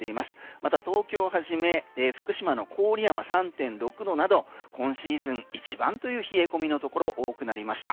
また東京をはじめ福島の郡山３．６度など今シーズン一番という冷え込みのところ多くなりました。